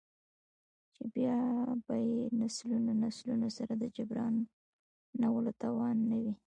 ،چـې بـيا بـه يې نسلونه نسلونه سـره د جـبران ولـو تـوان نـه وي.